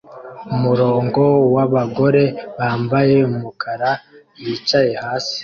Umurongo wabagore bambaye umukara bicaye hasi